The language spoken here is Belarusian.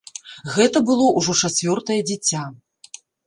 Гэта было ўжо чацвёртае дзіця.